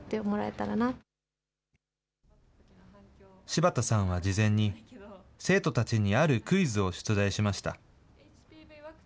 柴田さんは事前に、生徒たちにあるクイズを出題しました。